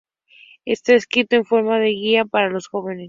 Está escrito en forma de una guía para los jóvenes.